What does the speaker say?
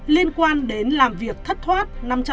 liên quan đến làm việc thất thoát